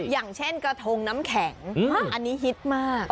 อย่างเช่นกระทงน้ำแข็งอันนี้ฮิตมาก